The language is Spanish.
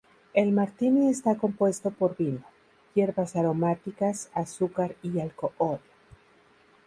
El Martini está compuesto por vino, hierbas aromáticas, azúcar y alcohol.